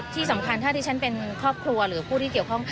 ที่สำคัญถ้าที่ฉันเป็นครอบครัวหรือผู้ที่เกี่ยวข้อง